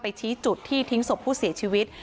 ชี้จุดที่ทิ้งศพผู้เสียชีวิต